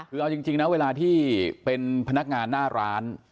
คือเอาจริงนะเวลาที่เป็นพนักงานหน้าร้าน